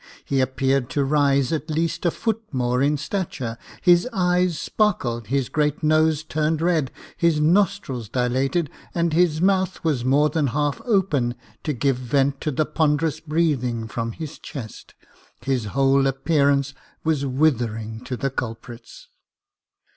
He appeared to rise at least a foot more in stature : his eyes 42 Jacob Faithful sparkled, his great nose turned red, his nostrils dilated, and his mouth was more than half open, to give vent to the ponderous breathing from his chest. His vi^hole appearance was withering to the culprits.